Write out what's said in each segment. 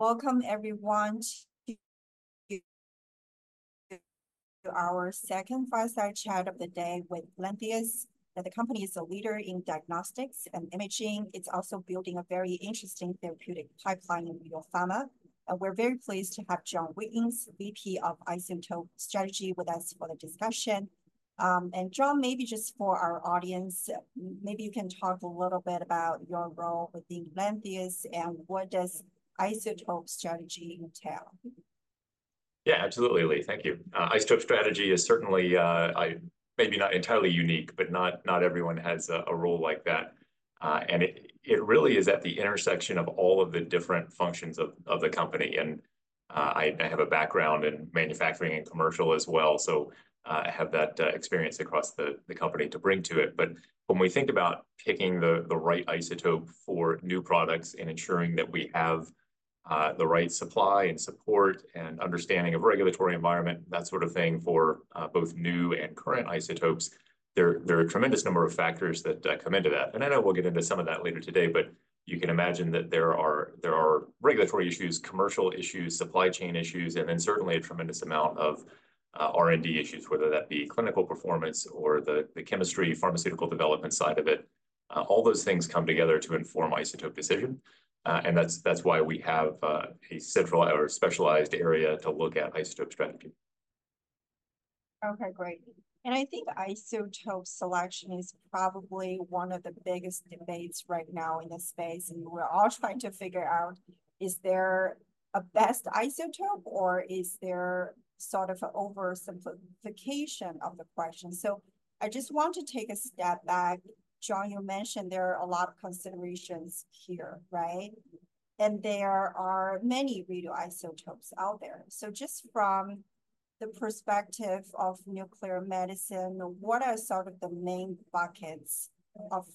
Welcome, everyone, to our second fireside chat of the day with Lantheus. Now, the company is a leader in diagnostics and imaging. It's also building a very interesting therapeutic pipeline in radiopharma. We're very pleased to have John Wiggins, VP of Isotope Strategy, with us for the discussion. And John, maybe just for our audience, maybe you can talk a little bit about your role within Lantheus, and what does Isotope Strategy entail? Yeah, absolutely, Li. Thank you. Isotope strategy is certainly, maybe not entirely unique, but not everyone has a role like that. And it really is at the intersection of all of the different functions of the company. And I have a background in manufacturing and commercial as well, so I have that experience across the company to bring to it. But when we think about picking the right isotope for new products and ensuring that we have the right supply and support and understanding of regulatory environment, that sort of thing, for both new and current isotopes, there are a tremendous number of factors that come into that. I know we'll get into some of that later today, but you can imagine that there are regulatory issues, commercial issues, supply chain issues, and then certainly a tremendous amount of R&D issues, whether that be clinical performance or the chemistry pharmaceutical development side of it. All those things come together to inform isotope decision, and that's why we have a central or a specialized area to look at isotope strategy. Okay, great. I think isotope selection is probably one of the biggest debates right now in this space, and we're all trying to figure out, is there a best isotope, or is there sort of an oversimplification of the question? I just want to take a step back. John, you mentioned there are a lot of considerations here, right? There are many radioisotopes out there. Just from the perspective of nuclear medicine, what are sort of the main buckets of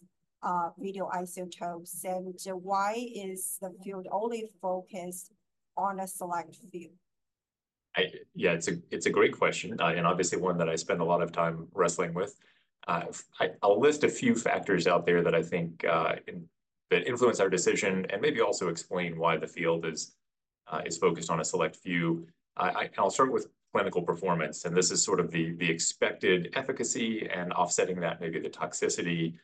radioisotopes, and why is the field only focused on a select few? Yeah, it's a great question, and obviously one that I spend a lot of time wrestling with. I'll list a few factors out there that I think that influence our decision and maybe also explain why the field is focused on a select few. I'll start with clinical performance, and this is sort of the expected efficacy and offsetting that maybe the toxicity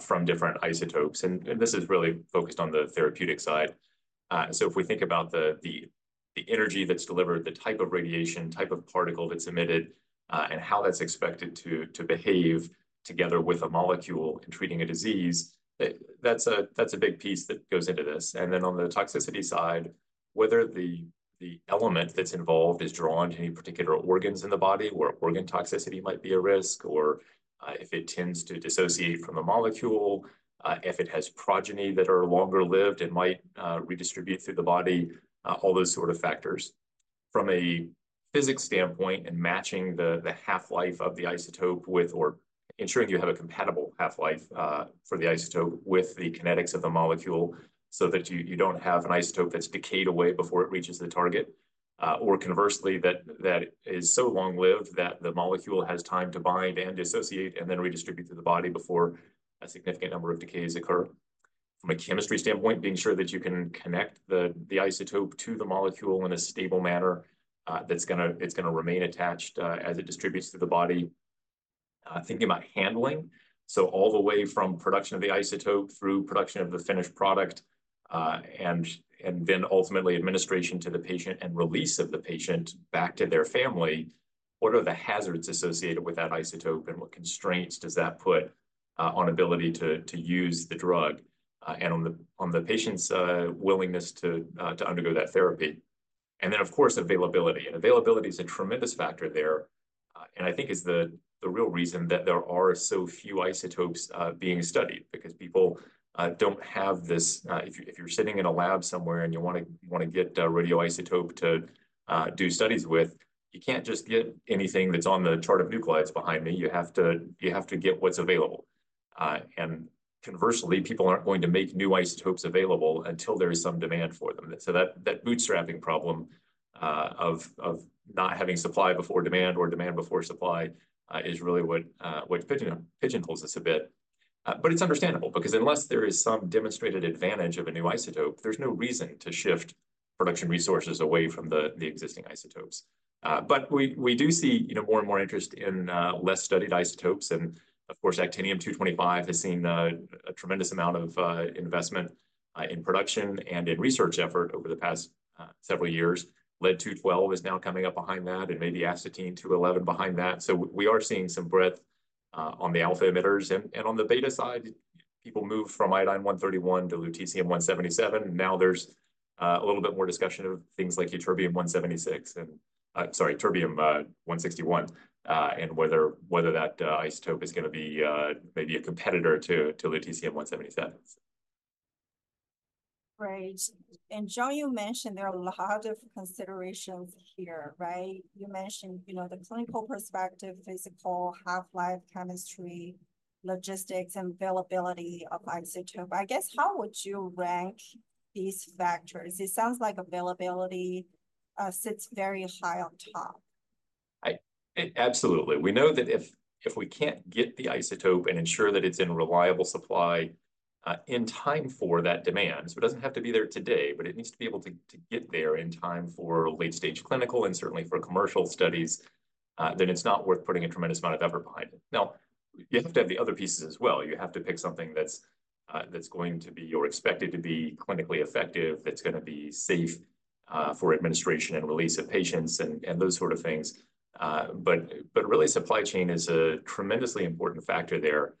from different isotopes, and this is really focused on the therapeutic side. So if we think about the energy that's delivered, the type of radiation, type of particle that's emitted, and how that's expected to behave together with a molecule in treating a disease, that's a big piece that goes into this. And then on the toxicity side, whether the element that's involved is drawn to any particular organs in the body, where organ toxicity might be a risk, or if it tends to dissociate from a molecule, if it has progeny that are longer lived and might redistribute through the body, all those sort of factors. From a physics standpoint and matching the half-life of the isotope with or ensuring you have a compatible half-life for the isotope with the kinetics of the molecule so that you don't have an isotope that's decayed away before it reaches the target. Or conversely, that is so long-lived that the molecule has time to bind and dissociate, and then redistribute through the body before a significant number of decays occur. From a chemistry standpoint, being sure that you can connect the isotope to the molecule in a stable manner, that's gonna—it's gonna remain attached as it distributes through the body. Thinking about handling, so all the way from production of the isotope through production of the finished product, and then ultimately administration to the patient and release of the patient back to their family, what are the hazards associated with that isotope, and what constraints does that put on ability to use the drug, and on the patient's willingness to undergo that therapy? And then, of course, availability. And availability is a tremendous factor there, and I think is the real reason that there are so few isotopes being studied because people don't have this... If you're sitting in a lab somewhere and you wanna get a radioisotope to do studies with, you can't just get anything that's on the chart of nuclides behind me. You have to get what's available. And conversely, people aren't going to make new isotopes available until there is some demand for them. So that bootstrapping problem of not having supply before demand or demand before supply is really what pigeonholes us a bit. But it's understandable because unless there is some demonstrated advantage of a new isotope, there's no reason to shift production resources away from the existing isotopes. But we do see, you know, more and more interest in less studied isotopes. And of course, Actinium-225 has seen a tremendous amount of investment in production and in research effort over the past several years. Lead-212 is now coming up behind that, and maybe Astatine-211 behind that. So we are seeing some breadth on the alpha emitters. And on the beta side, people move from Iodine-131 to Lutetium-177. Now, there's a little bit more discussion of things like Ytterbium-176 and, sorry, Terbium-161, and whether that isotope is gonna be maybe a competitor to Lutetium-177. Great. And John, you mentioned there are a lot of considerations here, right? You mentioned, you know, the clinical perspective, physical, half-life, chemistry, logistics, and availability of isotope. I guess, how would you rank these factors? It sounds like availability sits very high on top. It absolutely. We know that if we can't get the isotope and ensure that it's in reliable supply, in time for that demand, so it doesn't have to be there today, but it needs to be able to get there in time for late-stage clinical and certainly for commercial studies, then it's not worth putting a tremendous amount of effort behind it. Now, you have to have the other pieces as well. You have to pick something that's going to be or expected to be clinically effective, that's gonna be safe, for administration and release of patients and those sort of things. But really, supply chain is a tremendously important factor there.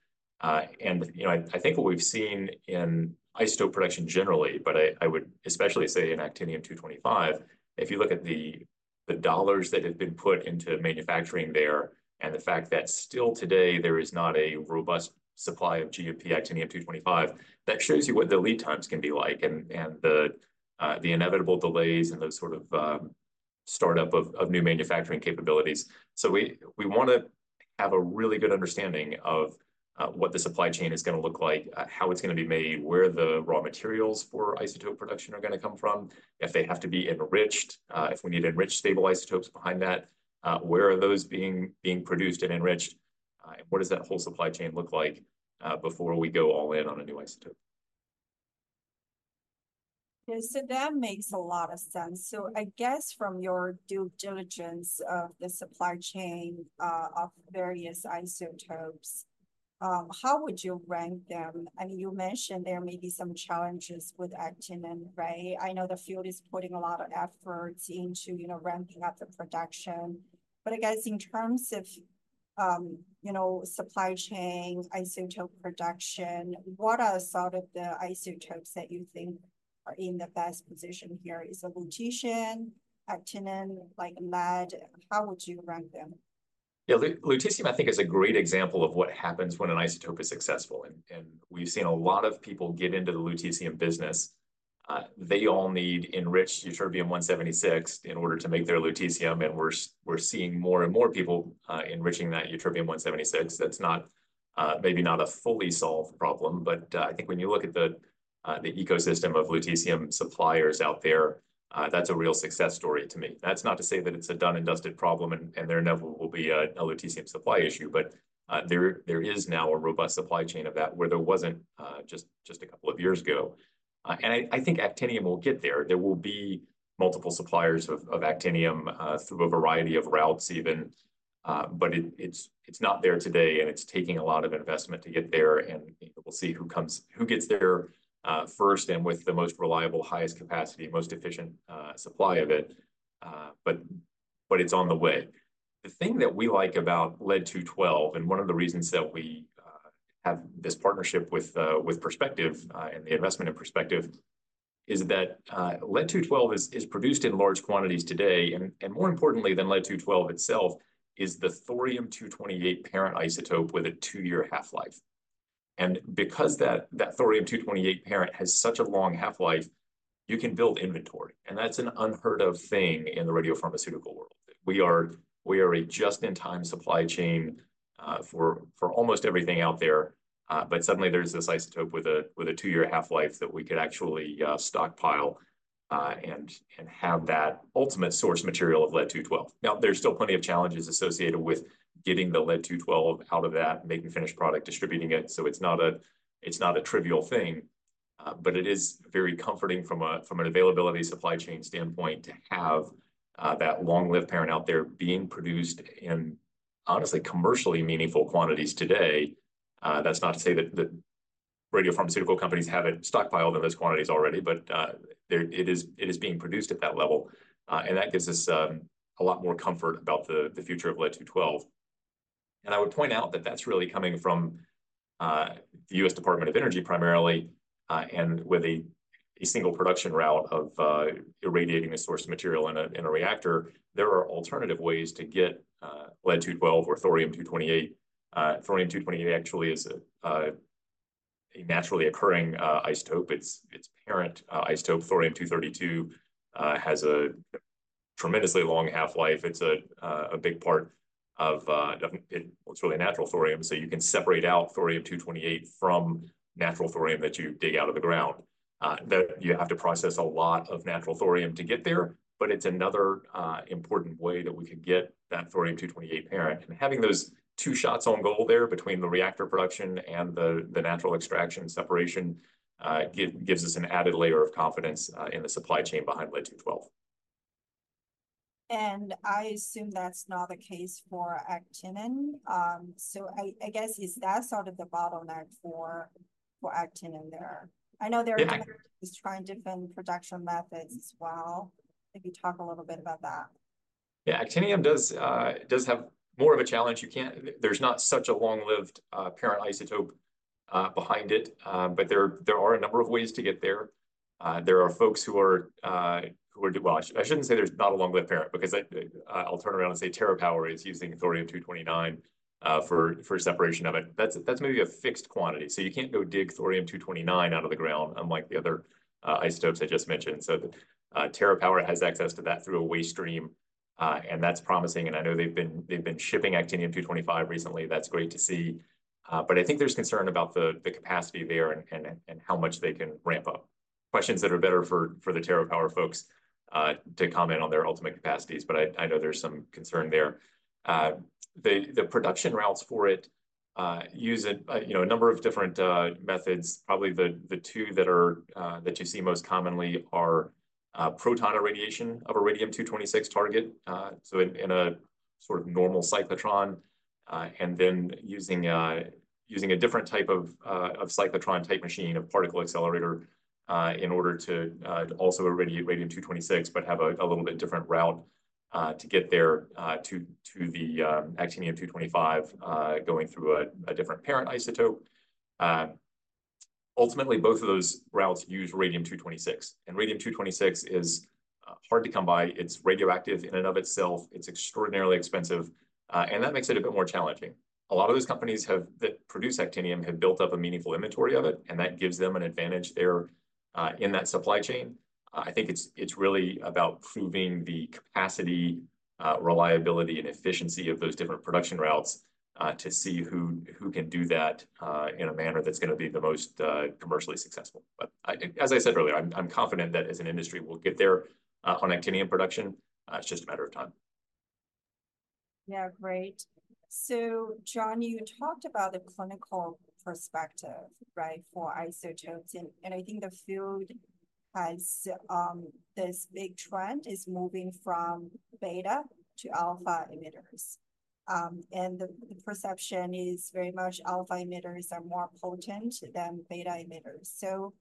You know, I think what we've seen in isotope production generally, but I would especially say in Actinium-225, if you look at the dollars that have been put into manufacturing there, and the fact that still today there is not a robust supply of GMP Actinium-225, that shows you what the lead times can be like, and the inevitable delays and those sort of startup of new manufacturing capabilities. So we wanna have a really good understanding of what the supply chain is gonna look like, how it's gonna be made, where the raw materials for isotope production are gonna come from, if they have to be enriched, if we need enriched stable isotopes behind that, where are those being produced and enriched? What does that whole supply chain look like, before we go all in on a new isotope? Yeah, so that makes a lot of sense. So I guess from your due diligence of the supply chain of various isotopes, how would you rank them? I mean, you mentioned there may be some challenges with actinium, right? I know the field is putting a lot of efforts into, you know, ramping up the production. But I guess in terms of, you know, supply chain, isotope production, what are sort of the isotopes that you think are in the best position here? Is it lutetium, actinium, like lead? How would you rank them? Yeah, lutetium, I think, is a great example of what happens when an isotope is successful, and we've seen a lot of people get into the lutetium business. They all need enriched Ytterbium-176 in order to make their lutetium, and we're seeing more and more people enriching that Ytterbium-176. That's not maybe not a fully solved problem, but I think when you look at the ecosystem of lutetium suppliers out there, that's a real success story to me. That's not to say that it's a done and dusted problem, and there never will be a lutetium supply issue, but there is now a robust supply chain of that where there wasn't just a couple of years ago. And I think actinium will get there. There will be multiple suppliers of actinium through a variety of routes even, but it's not there today, and it's taking a lot of investment to get there. We'll see who gets there first and with the most reliable, highest capacity, most efficient supply of it, but it's on the way. The thing that we like about Lead-212, and one of the reasons that we have this partnership with Perspective, and the investment in Perspective, is that Lead-212 is produced in large quantities today. And more importantly than Lead-212 itself is the Thorium-228 parent isotope with a 2-year half-life. And because that Thorium-228 parent has such a long half-life, you can build inventory, and that's an unheard of thing in the radiopharmaceutical world. We are a just-in-time supply chain for almost everything out there. But suddenly there's this isotope with a 2-year half-life that we could actually stockpile and have that ultimate source material of Lead-212. Now, there's still plenty of challenges associated with getting the Lead-212 out of that, making finished product, distributing it, so it's not a trivial thing. But it is very comforting from an availability supply chain standpoint to have that long-lived parent out there being produced in honestly commercially meaningful quantities today. That's not to say that the radiopharmaceutical companies have it stockpiled in those quantities already, but there it is being produced at that level. And that gives us a lot more comfort about the future of Lead-212. I would point out that that's really coming from the US Department of Energy, primarily, and with a single production route of irradiating a source of material in a reactor. There are alternative ways to get Lead-212 or Thorium-228. Thorium-228 actually is a naturally occurring isotope. Its parent isotope, Thorium-232, has a tremendously long half-life. It's a big part of, well, it's really natural thorium, so you can separate out Thorium-228 from natural thorium that you dig out of the ground, that you have to process a lot of natural thorium to get there, but it's another important way that we could get that Thorium-228 parent. Having those two shots on goal there between the reactor production and the natural extraction separation gives us an added layer of confidence in the supply chain behind Lead-212. I assume that's not the case for actinium. So, I guess, is that sort of the bottleneck for actinium there? I know they're- Yeah... trying different production methods as well. Maybe talk a little bit about that. Yeah, actinium does have more of a challenge. There's not such a long-lived parent isotope behind it, but there are a number of ways to get there. There are folks who are. Well, I shouldn't say there's not a long-lived parent, because I'll turn around and say TerraPower is using Thorium-229 for separation of it. That's maybe a fixed quantity. So you can't go dig Thorium-229 out of the ground, unlike the other isotopes I just mentioned. So TerraPower has access to that through a waste stream, and that's promising, and I know they've been shipping Actinium-225 recently. That's great to see. But I think there's concern about the capacity there and how much they can ramp up. Questions that are better for the TerraPower folks to comment on their ultimate capacities, but I know there's some concern there. The production routes for it use, you know, a number of different methods. Probably the two that you see most commonly are proton irradiation of a radium-226 target. So in a sort of normal cyclotron, and then using a different type of cyclotron-type machine, a particle accelerator, in order to also irradiate radium-226, but have a little bit different route to get there, to the actinium-225, going through a different parent isotope. Ultimately, both of those routes use radium-226, and radium-226 is hard to come by. It's radioactive in and of itself. It's extraordinarily expensive, and that makes it a bit more challenging. A lot of those companies that produce actinium have built up a meaningful inventory of it, and that gives them an advantage there, in that supply chain. I think it's really about proving the capacity, reliability, and efficiency of those different production routes, to see who can do that, in a manner that's gonna be the most commercially successful. But I think, as I said earlier, I'm confident that as an industry, we'll get there, on actinium production. It's just a matter of time. Yeah, great. So John, you talked about the clinical perspective, right, for isotopes, and I think the field has this big trend is moving from beta to alpha emitters. And the perception is very much alpha emitters are more potent than beta emitters. So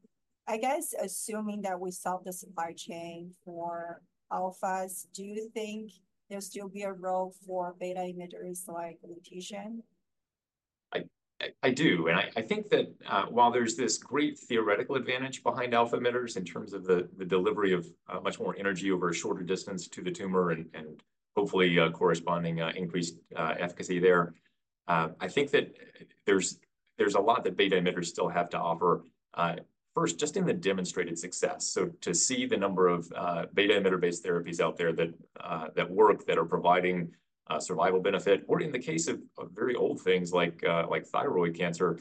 I guess assuming that we solve the supply chain for alphas, do you think there'll be a role for beta emitters like lutetium? I do, and I think that while there's this great theoretical advantage behind alpha emitters in terms of the delivery of much more energy over a shorter distance to the tumor and hopefully a corresponding increased efficacy there, I think that there's a lot that beta emitters still have to offer. First, just in the demonstrated success, so to see the number of beta emitter-based therapies out there that work, that are providing survival benefit, or in the case of very old things like thyroid cancer,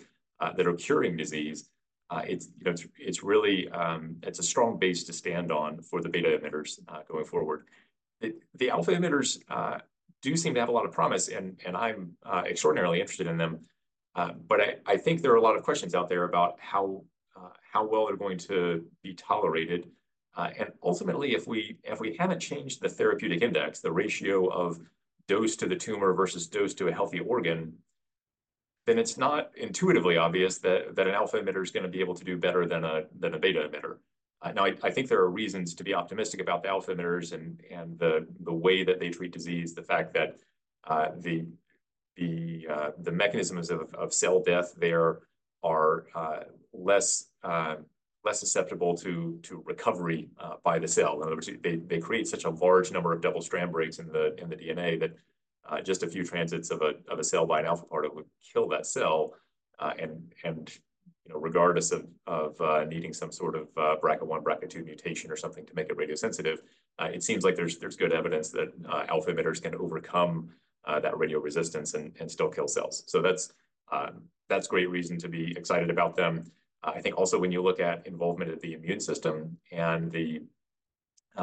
that are curing disease, it's, you know, it's really a strong base to stand on for the beta emitters, going forward. The alpha emitters do seem to have a lot of promise, and I'm extraordinarily interested in them. But I think there are a lot of questions out there about how well they're going to be tolerated. And ultimately, if we haven't changed the therapeutic index, the ratio of dose to the tumor versus dose to a healthy organ, then it's not intuitively obvious that an alpha emitter is gonna be able to do better than a beta emitter. Now, I think there are reasons to be optimistic about the alpha emitters and the mechanisms of cell death there are less susceptible to recovery by the cell. In other words, they create such a large number of double strand breaks in the DNA that just a few transits of a cell by an alpha particle would kill that cell. And you know, regardless of needing some sort of BRCA1, BRCA2 mutation or something to make it radiosensitive, it seems like there's good evidence that alpha emitters can overcome that radioresistance and still kill cells. So that's great reason to be excited about them. I think also when you look at involvement of the immune system and the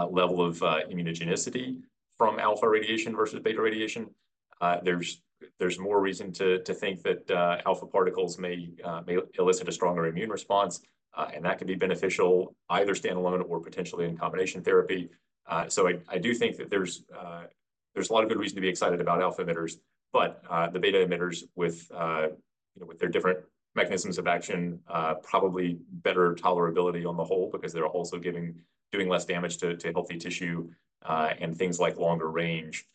level of immunogenicity from alpha radiation versus beta radiation, there's more reason to think that alpha particles may elicit a stronger immune response. And that could be beneficial either standalone or potentially in combination therapy. So I do think that there's a lot of good reason to be excited about alpha emitters, but the beta emitters with, you know, with their different mechanisms of action probably better tolerability on the whole because they're also doing less damage to healthy tissue. And things like longer range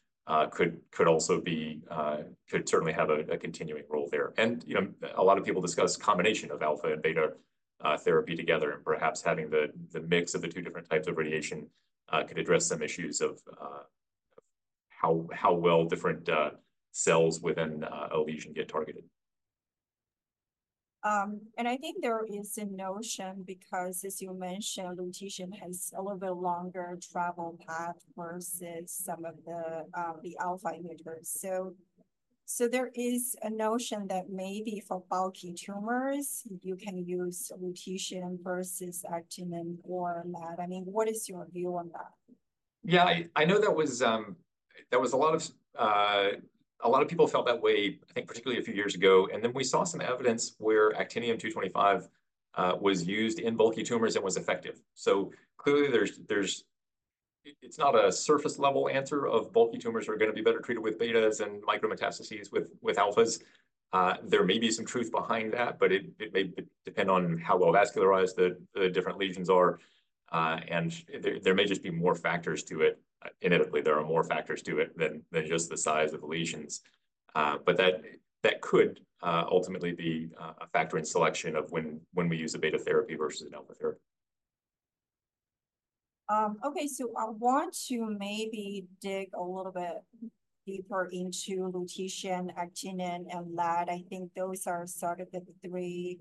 could certainly have a continuing role there. And, you know, a lot of people discuss combination of alpha and beta therapy together, and perhaps having the mix of the two different types of radiation could address some issues of how well different cells within a lesion get targeted. And I think there is a notion because, as you mentioned, lutetium has a little bit longer travel path versus some of the, the alpha emitters. So there is a notion that maybe for bulky tumors, you can use lutetium versus actinium or lead. I mean, what is your view on that? Yeah, I know there was a lot of people felt that way, I think, particularly a few years ago, and then we saw some evidence where actinium-225 was used in bulky tumors and was effective. So clearly, it's not a surface-level answer of bulky tumors are gonna be better treated with betas and micrometastases with alphas. There may be some truth behind that, but it may depend on how well vascularized the different lesions are. And there may just be more factors to it. Inevitably, there are more factors to it than just the size of the lesions. But that could ultimately be a factor in selection of when we use a beta therapy versus an alpha therapy. Okay, so I want to maybe dig a little bit deeper into lutetium, actinium, and lead. I think those are sort of the three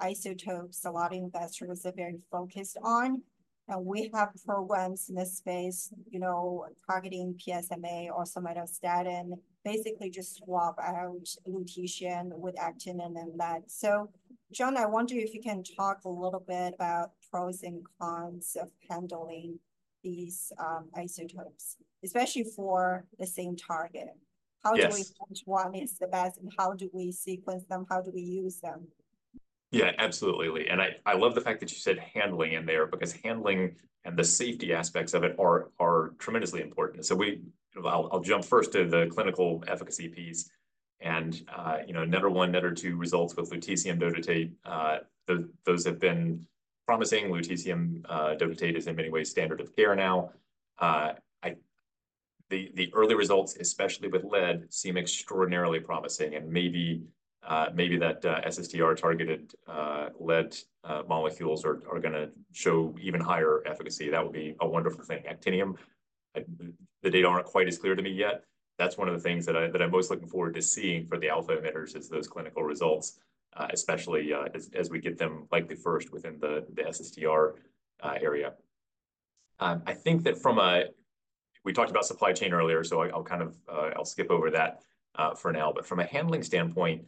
isotopes a lot of investors are very focused on. And we have programs in this space, you know, targeting PSMA or somatostatin, basically just swap out lutetium with actinium and lead. So John, I wonder if you can talk a little bit about pros and cons of handling these isotopes, especially for the same target. Yes. How do we choose which one is the best, and how do we sequence them? How do we use them? Yeah, absolutely, Li. And I love the fact that you said handling in there, because handling and the safety aspects of it are tremendously important. So I'll jump first to the clinical efficacy piece. And, you know, NETTER-1, NETTER-2 results with lutetium dotatate, those have been promising. lutetium dotatate is in many ways standard of care now. The early results, especially with Lead, seem extraordinarily promising, and maybe that SSTR-targeted Lead molecules are going to show even higher efficacy. That would be a wonderful thing. Actinium, the data aren't quite as clear to me yet. That's one of the things that I, that I'm most looking forward to seeing for the alpha emitters is those clinical results, especially, as we get them likely first within the SSTR area. I think that from a. We talked about supply chain earlier, so I, I'll kind of, I'll skip over that for now. But from a handling standpoint,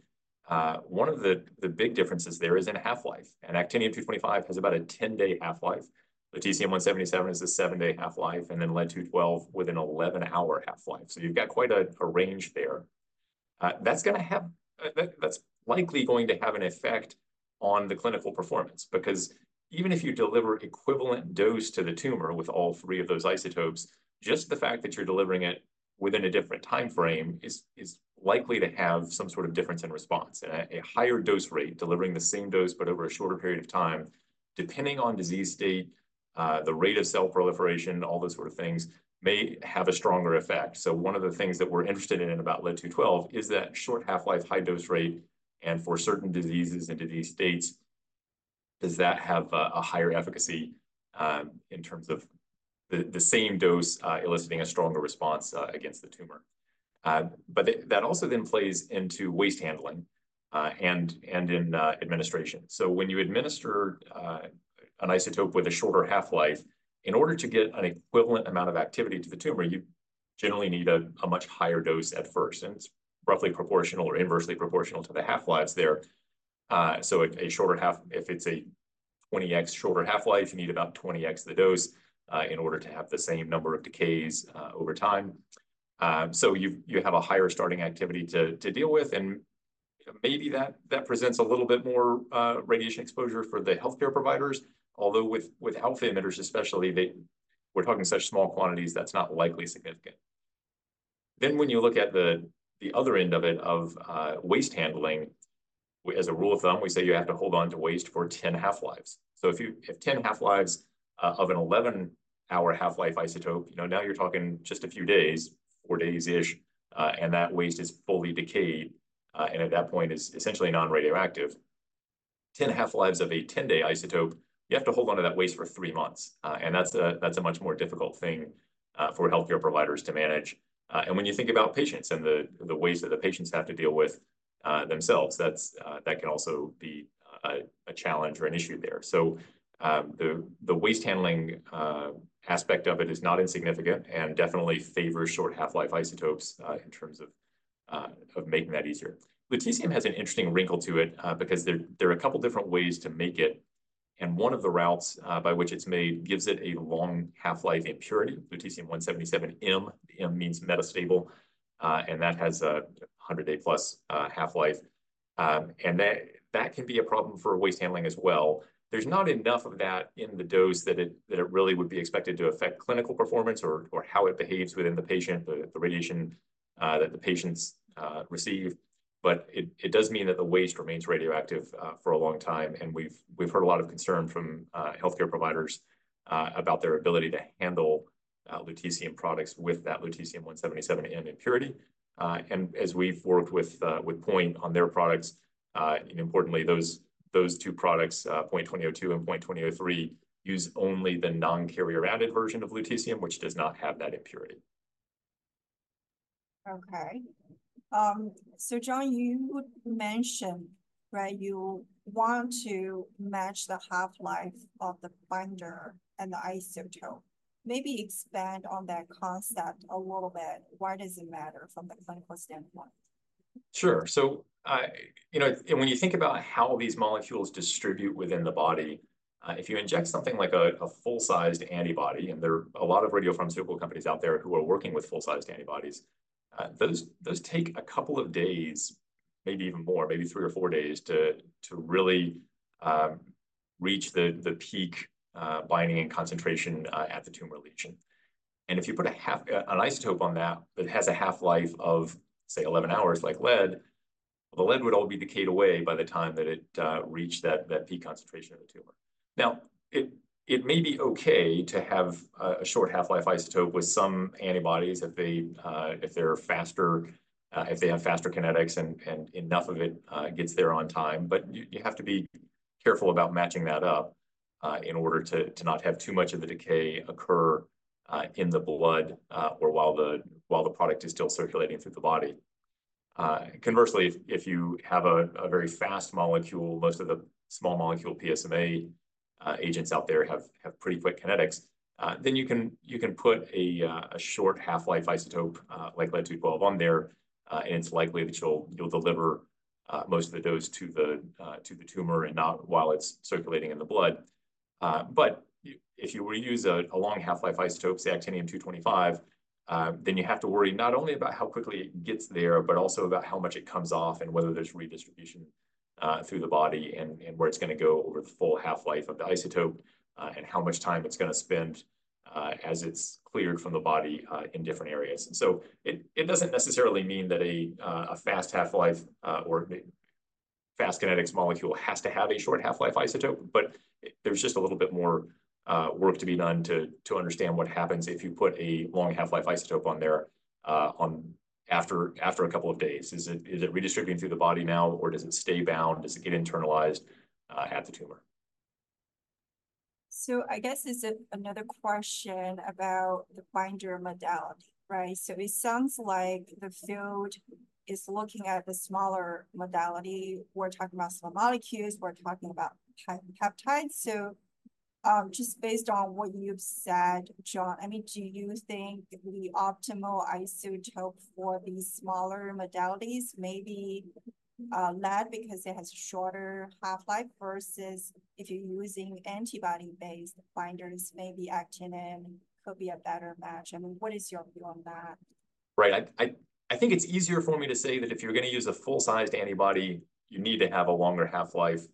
one of the big differences there is in half-life, and Actinium-225 has about a 10-day half-life. Lutetium-177 has a 7-day half-life, and then Lead-212 with an 11-hour half-life. So you've got quite a range there. That's likely going to have an effect on the clinical performance because even if you deliver equivalent dose to the tumor with all three of those isotopes, just the fact that you're delivering it within a different time frame is likely to have some sort of difference in response. And a higher dose rate, delivering the same dose but over a shorter period of time, depending on disease state, the rate of cell proliferation, all those sort of things, may have a stronger effect. So one of the things that we're interested in about Lead-212 is that short half-life, high dose rate, and for certain diseases and disease states, does that have a higher efficacy, in terms of the same dose, eliciting a stronger response, against the tumor? But that also then plays into waste handling, and in administration. So when you administer an isotope with a shorter half-life, in order to get an equivalent amount of activity to the tumor, you generally need a much higher dose at first, and it's roughly proportional or inversely proportional to the half-lives there. So if it's a 20x shorter half-life, you need about 20x the dose, in order to have the same number of decays over time. So you have a higher starting activity to deal with, and maybe that presents a little bit more radiation exposure for the healthcare providers. Although, with alpha emitters especially, we're talking such small quantities, that's not likely significant. Then, when you look at the other end of it, of waste handling, we as a rule of thumb, we say you have to hold on to waste for 10 half-lives. So if you have 10 half-lives of an 11-hour half-life isotope, you know, now you're talking just a few days, 4 days-ish, and that waste is fully decayed, and at that point is essentially non-radioactive. 10 half-lives of a 10-day isotope, you have to hold on to that waste for 3 months, and that's a much more difficult thing for healthcare providers to manage. And when you think about patients and the waste that the patients have to deal with themselves, that's that can also be a challenge or an issue there. So, the waste handling aspect of it is not insignificant and definitely favors short half-life isotopes in terms of making that easier. Lutetium has an interesting wrinkle to it because there are a couple different ways to make it, and one of the routes by which it's made gives it a long half-life impurity, Lutetium-177m. M means metastable, and that has a 100-day-plus half-life. And that can be a problem for waste handling as well. There's not enough of that in the dose that it really would be expected to affect clinical performance or how it behaves within the patient, the radiation that the patients receive. But it does mean that the waste remains radioactive for a long time, and we've heard a lot of concern from healthcare providers about their ability to handle lutetium products with that lutetium-177m impurity. And as we've worked with POINT on their products, and importantly, those two products, PNT2002 and PNT2003, use only the non-carrier-added version of lutetium, which does not have that impurity. Okay. So John, you mentioned, right, you want to match the half-life of the binder and the isotope. Maybe expand on that concept a little bit. Why does it matter from a clinical standpoint? Sure. So, you know, and when you think about how these molecules distribute within the body, if you inject something like a full-sized antibody, and there are a lot of radiopharmaceutical companies out there who are working with full-sized antibodies, those take a couple of days, maybe even more, maybe 3 or 4 days, to really reach the peak binding and concentration at the tumor lesion. And if you put an isotope on that that has a half-life of, say, 11 hours, like lead, the lead would all be decayed away by the time that it reached that peak concentration of the tumor. Now, it may be okay to have a short half-life isotope with some antibodies if they, if they're faster, if they have faster kinetics and enough of it gets there on time. But you have to be careful about matching that up in order to not have too much of the decay occur in the blood or while the product is still circulating through the body. Conversely, if you have a very fast molecule, most of the small molecule PSMA agents out there have pretty quick kinetics. Then you can put a short half-life isotope like Lead-212 on there, and it's likely that you'll deliver most of the dose to the tumor and not while it's circulating in the blood. But if you were to use a long half-life isotope, say Actinium-225, then you have to worry not only about how quickly it gets there, but also about how much it comes off, and whether there's redistribution through the body, and where it's gonna go over the full half-life of the isotope, and how much time it's gonna spend as it's cleared from the body in different areas. And so it doesn't necessarily mean that a fast half-life or a fast kinetics molecule has to have a short half-life isotope, but there's just a little bit more work to be done to understand what happens if you put a long half-life isotope on there, after a couple of days. Is it, is it redistributing through the body now, or does it stay bound? Does it get internalized at the tumor? So I guess it's another question about the binder modality, right? So it sounds like the field is looking at the smaller modality. We're talking about small molecules, we're talking about peptides. So, just based on what you've said, John, I mean, do you think the optimal isotope for these smaller modalities may be lead because it has shorter half-life? Versus if you're using antibody-based binders, maybe actinium could be a better match. I mean, what is your view on that? Right. I think it's easier for me to say that if you're gonna use a full-sized antibody, you need to have a longer half-life,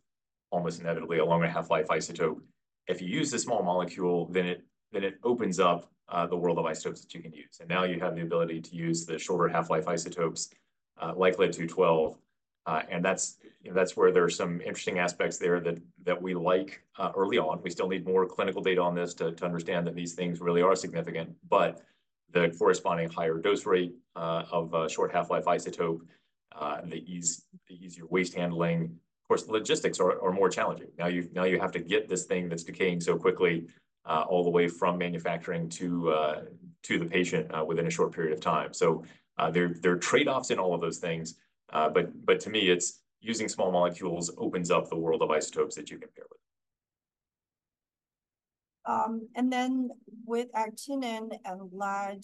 almost inevitably, a longer half-life isotope. If you use a small molecule, then it opens up the world of isotopes that you can use, and now you have the ability to use the shorter half-life isotopes, like Lead-212. And that's where there are some interesting aspects there that we like early on. We still need more clinical data on this to understand that these things really are significant, but the corresponding higher dose rate of a short half-life isotope, and the easier waste handling. Of course, the logistics are more challenging. Now you have to get this thing that's decaying so quickly all the way from manufacturing to the patient within a short period of time. So there are trade-offs in all of those things, but to me, it's using small molecules opens up the world of isotopes that you can pair with. And then with actinium and lead,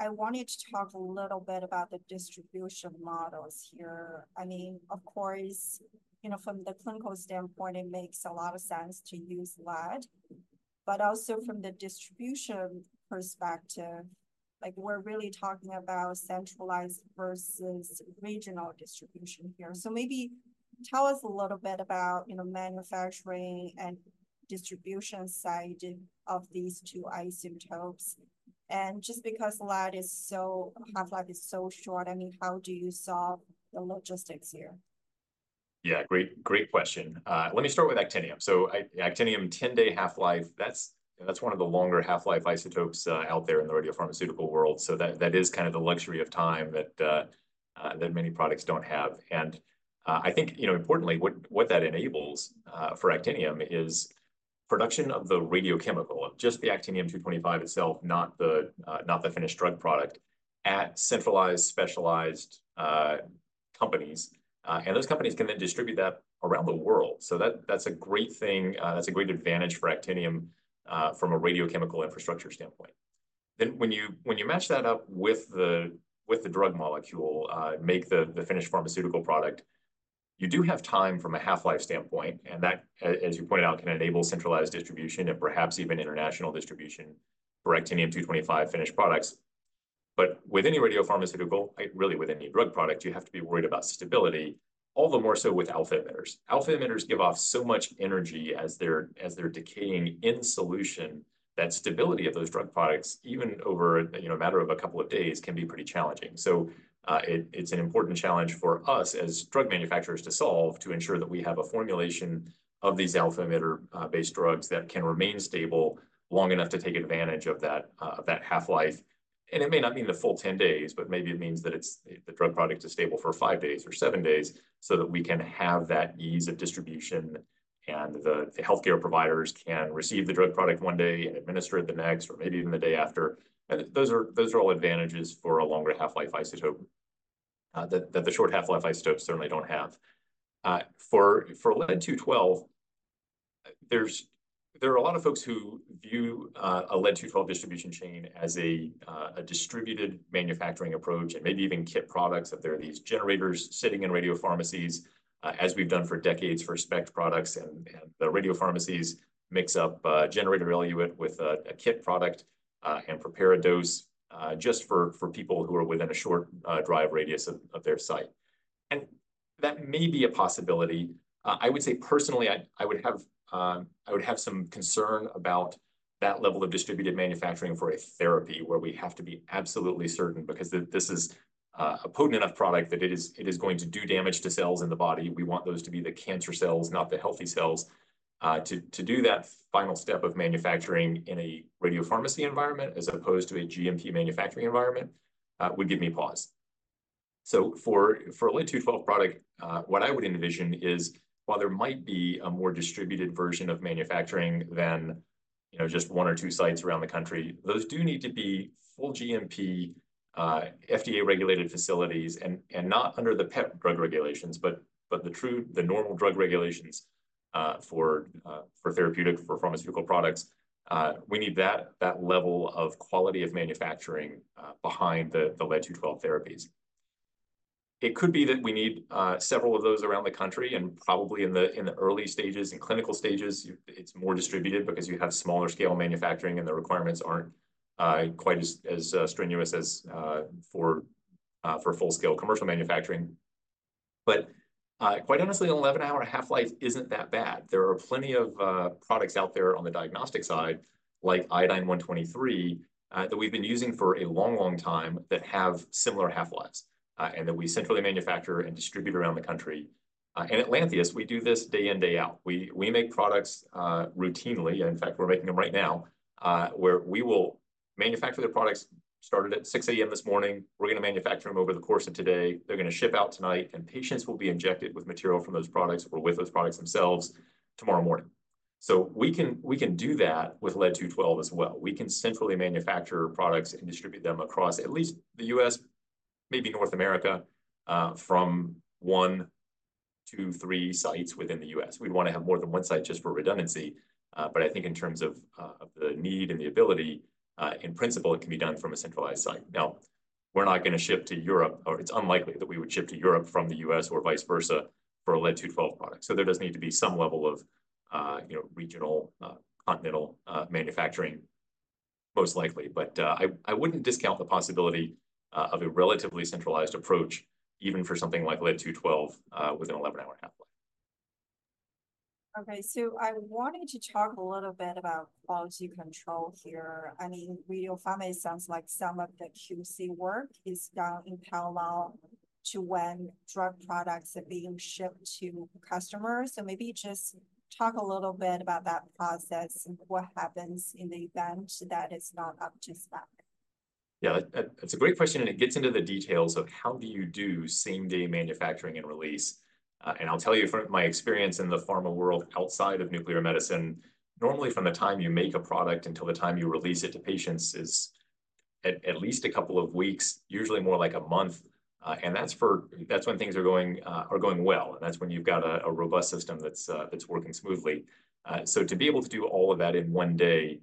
I wanted to talk a little bit about the distribution models here. I mean, of course, you know, from the clinical standpoint, it makes a lot of sense to use lead, but also from the distribution perspective, like, we're really talking about centralized versus regional distribution here. So maybe tell us a little bit about, you know, manufacturing and distribution side of these two isotopes, and just because the lead is so, half-life is so short, I mean, how do you solve the logistics here? Yeah, great, great question. Let me start with actinium. So actinium, 10-day half-life, that's, that's one of the longer half-life isotopes, out there in the radiopharmaceutical world. So that, that is kind of the luxury of time that, that many products don't have. And, I think, you know, importantly, what, what that enables, for actinium is production of the radiochemical, just the Actinium-225 itself, not the, not the finished drug product, at centralized, specialized, companies. And those companies can then distribute that around the world. So that, that's a great thing, that's a great advantage for actinium, from a radiochemical infrastructure standpoint. Then, when you match that up with the drug molecule, make the finished pharmaceutical product, you do have time from a half-life standpoint, and as you pointed out, can enable centralized distribution and perhaps even international distribution for Actinium-225 finished products. But with any radiopharmaceutical, really with any drug product, you have to be worried about stability, all the more so with alpha emitters. Alpha emitters give off so much energy as they're decaying in solution, that stability of those drug products, even over, you know, a matter of a couple of days, can be pretty challenging. So, it's an important challenge for us as drug manufacturers to solve, to ensure that we have a formulation of these alpha emitter based drugs that can remain stable long enough to take advantage of that half-life. And it may not mean the full 10 days, but maybe it means that the drug product is stable for 5 days or 7 days, so that we can have that ease of distribution, and the healthcare providers can receive the drug product one day and administer it the next, or maybe even the day after. And those are all advantages for a longer half-life isotope that the short half-life isotopes certainly don't have. For Lead-212, there are a lot of folks who view a Lead-212 distribution chain as a distributed manufacturing approach and maybe even kit products, that there are these generators sitting in radiopharmacies, as we've done for decades for SPECT products, and the radiopharmacies mix up generator eluate with a kit product and prepare a dose just for people who are within a short drive radius of their site. That may be a possibility. I would say personally, I would have some concern about that level of distributed manufacturing for a therapy, where we have to be absolutely certain, because this is a potent enough product that it is going to do damage to cells in the body. We want those to be the cancer cells, not the healthy cells. To do that final step of manufacturing in a radiopharmacy environment, as opposed to a GMP manufacturing environment, would give me pause. So for a Lead-212 product, what I would envision is, while there might be a more distributed version of manufacturing than you know, just one or two sites around the country. Those do need to be full GMP, FDA-regulated facilities, and not under the PET drug regulations, but the normal drug regulations, for therapeutic pharmaceutical products. We need that level of quality of manufacturing behind the Lead-212 therapies. It could be that we need several of those around the country, and probably in the early stages, in clinical stages, it's more distributed because you have smaller scale manufacturing, and the requirements aren't quite as strenuous as for full-scale commercial manufacturing. But quite honestly, an 11-hour half-life isn't that bad. There are plenty of products out there on the diagnostic side, like Iodine-123, that we've been using for a long, long time, that have similar half-lives, and that we centrally manufacture and distribute around the country. At Lantheus, we do this day in, day out. We make products routinely. In fact, we're making them right now, where we will manufacture the products started at 6:00 A.M. this morning. We're gonna manufacture them over the course of today. They're gonna ship out tonight, and patients will be injected with material from those products or with those products themselves tomorrow morning. So we can, we can do that with Lead-212 as well. We can centrally manufacture products and distribute them across at least the U.S., maybe North America, from 1 to 3 sites within the U.S. We'd wanna have more than one site just for redundancy, but I think in terms of, of the need and the ability, in principle, it can be done from a centralized site. Now, we're not gonna ship to Europe, or it's unlikely that we would ship to Europe from the U.S. or vice versa, for a Lead-212 product. There does need to be some level of, you know, regional, continental, manufacturing, most likely, but I wouldn't discount the possibility of a relatively centralized approach, even for something like Lead-212, with an 11-hour half-life. Okay, so I wanted to talk a little bit about quality control here. I mean, radiopharmacy sounds like some of the QC work is done in parallel to when drug products are being shipped to customers. So maybe just talk a little bit about that process and what happens in the event that it's not up to standard. Yeah, that's a great question, and it gets into the details of how do you do same-day manufacturing and release? And I'll tell you from my experience in the pharma world outside of nuclear medicine, normally from the time you make a product until the time you release it to patients is at least a couple of weeks, usually more like a month, and that's when things are going well, and that's when you've got a robust system that's working smoothly. So to be able to do all of that in one day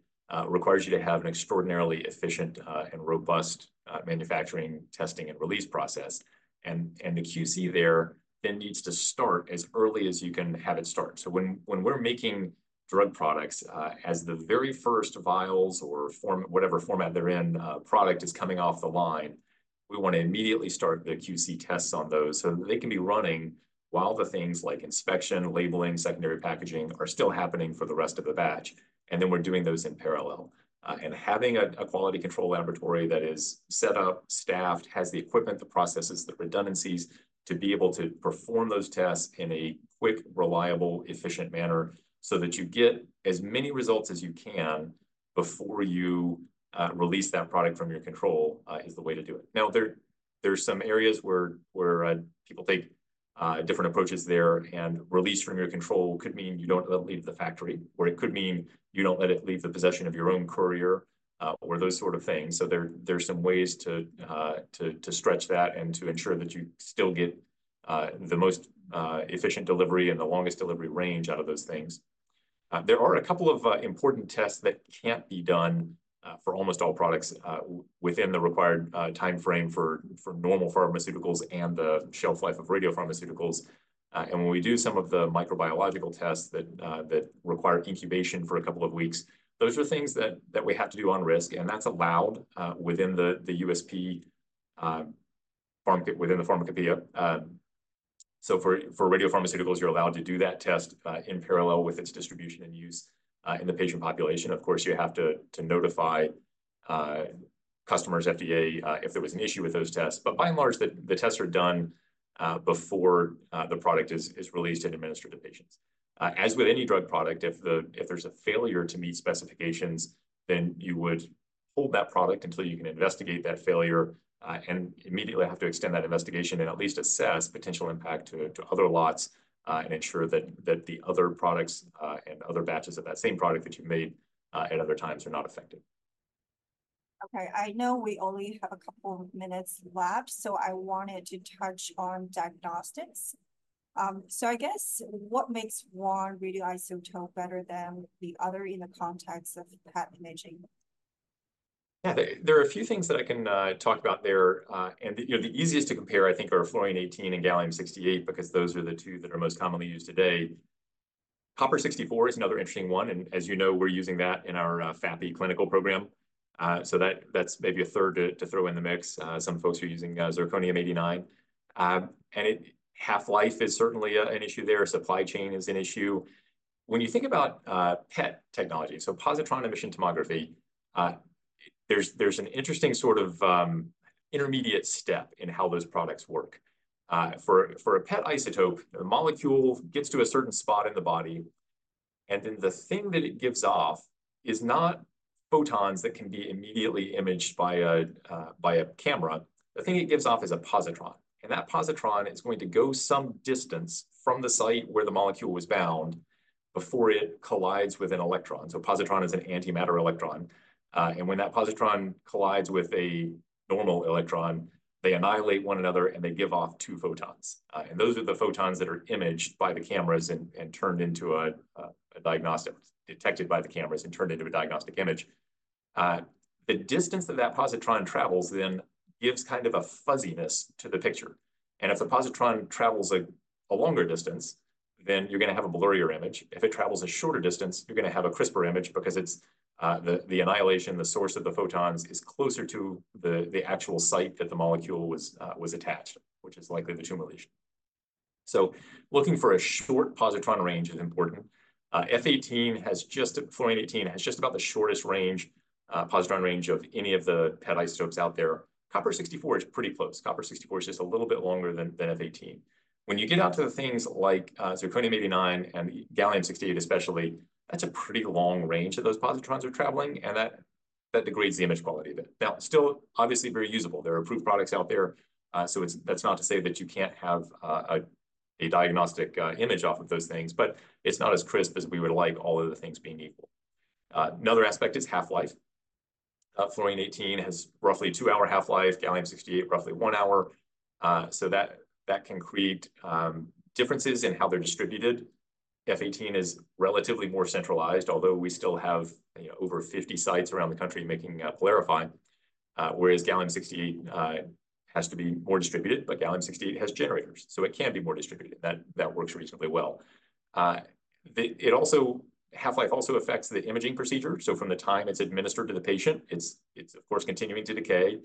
requires you to have an extraordinarily efficient and robust manufacturing, testing, and release process, and the QC there then needs to start as early as you can have it start. So when we're making drug products, as the very first vials or form whatever format they're in, product is coming off the line, we wanna immediately start the QC tests on those so they can be running while the things like inspection, labeling, secondary packaging, are still happening for the rest of the batch, and then we're doing those in parallel. And having a quality control laboratory that is set up, staffed, has the equipment, the processes, the redundancies, to be able to perform those tests in a quick, reliable, efficient manner so that you get as many results as you can before you release that product from your control is the way to do it. Now, there are some areas where people take different approaches there, and release from your control could mean you don't let it leave the factory, or it could mean you don't let it leave the possession of your own courier, or those sort of things. So there are some ways to stretch that and to ensure that you still get the most efficient delivery and the longest delivery range out of those things. There are a couple of important tests that can't be done for almost all products within the required time frame for normal pharmaceuticals and the shelf life of radiopharmaceuticals. And when we do some of the microbiological tests that require incubation for a couple of weeks, those are things that we have to do on risk, and that's allowed within the USP within the pharmacopeia. So for radiopharmaceuticals, you're allowed to do that test in parallel with its distribution and use in the patient population. Of course, you have to notify customers, FDA, if there was an issue with those tests. But by and large, the tests are done before the product is released and administered to patients. As with any drug product, if there's a failure to meet specifications, then you would hold that product until you can investigate that failure, and immediately have to extend that investigation and at least assess potential impact to other lots, and ensure that the other products and other batches of that same product that you made at other times are not affected. Okay, I know we only have a couple of minutes left, so I wanted to touch on diagnostics. So, I guess what makes one radioisotope better than the other in the context of PET imaging? Yeah. There are a few things that I can talk about there. And, you know, the easiest to compare, I think, are Fluorine-18 and Gallium-68, because those are the two that are most commonly used today. Copper-64 is another interesting one, and as you know, we're using that in our FAPI clinical program. So that's maybe a third to throw in the mix. Some folks are using Zirconium-89. And its half-life is certainly an issue there. Supply chain is an issue. When you think about PET technology, so positron emission tomography, there's an interesting sort of intermediate step in how those products work. For a PET isotope, a molecule gets to a certain spot in the body, and then the thing that it gives off is not-... Photons that can be immediately imaged by a camera, the thing it gives off is a positron, and that positron is going to go some distance from the site where the molecule was bound before it collides with an electron. So positron is an antimatter electron, and when that positron collides with a normal electron, they annihilate one another, and they give off two photons. And those are the photons that are imaged by the cameras and turned into a diagnostic image. The distance that that positron travels then gives kind of a fuzziness to the picture, and if the positron travels a longer distance, then you're gonna have a blurrier image. If it travels a shorter distance, you're gonna have a crisper image because it's the annihilation, the source of the photons, is closer to the actual site that the molecule was attached, which is likely the tumor lesion. So looking for a short positron range is important. Fluorine-18 has just about the shortest range, positron range of any of the PET isotopes out there. Copper-64 is pretty close. Copper-64 is just a little bit longer than F-18. When you get out to the things like Zirconium-89 and Gallium-68 especially, that's a pretty long range that those positrons are traveling, and that degrades the image quality a bit. Now, still, obviously very usable. There are approved products out there, so that's not to say that you can't have a diagnostic image off of those things, but it's not as crisp as we would like, all other things being equal. Another aspect is half-life. Fluorine-18 has roughly a two-hour half-life, gallium-68, roughly one hour. So that can create differences in how they're distributed. F-18 is relatively more centralized, although we still have, you know, over 50 sites around the country making fluorine. Whereas gallium-68 has to be more distributed, but gallium-68 has generators, so it can be more distributed. That works reasonably well. It also... Half-life also affects the imaging procedure, so from the time it's administered to the patient, it's, of course, continuing to decay,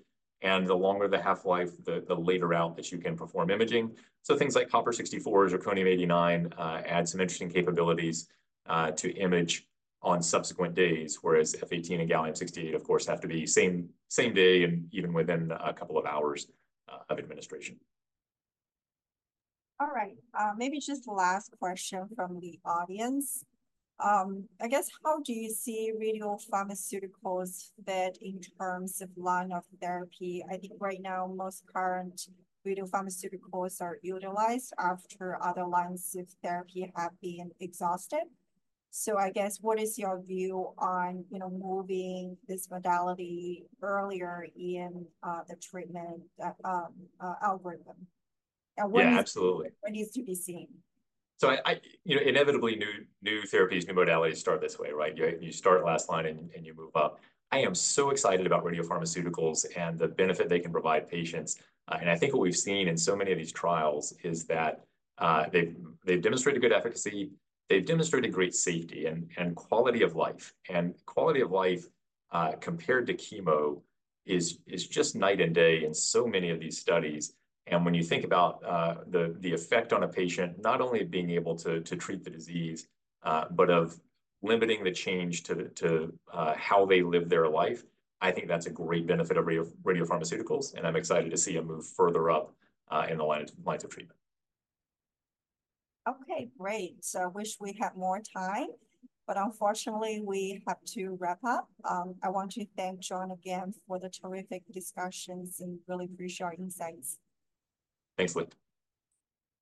and the longer the half-life, the later out that you can perform imaging. So things like Copper-64 or Zirconium-89 add some interesting capabilities to image on subsequent days, whereas F-18 and Gallium-68, of course, have to be same day and even within a couple of hours of administration. All right, maybe just the last question from the audience. I guess, how do you see radiopharmaceuticals fit in terms of line of therapy? I think right now, most current radiopharmaceuticals are utilized after other lines of therapy have been exhausted. So I guess, what is your view on, you know, moving this modality earlier in, the treatment, algorithm? And what needs- Yeah, absolutely. What needs to be seen? So, you know, inevitably, new therapies, new modalities start this way, right? You start last line, and you move up. I am so excited about radiopharmaceuticals and the benefit they can provide patients. And I think what we've seen in so many of these trials is that they've demonstrated good efficacy, they've demonstrated great safety and quality of life compared to chemo is just night and day in so many of these studies. And when you think about the effect on a patient, not only being able to treat the disease, but of limiting the change to how they live their life, I think that's a great benefit of radiopharmaceuticals, and I'm excited to see them move further up in the lines of treatment. Okay, great. So I wish we had more time, but unfortunately, we have to wrap up. I want to thank John again for the terrific discussions and really appreciate your insights. Thanks, Li.